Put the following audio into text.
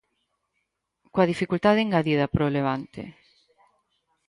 Coa dificultade engadida pro Levante.